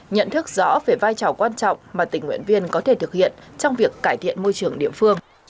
nhận thức rõ về vai trò quan trọng mà tình nguyện viên có thể thực hiện trong việc cải thiện môi trường địa phương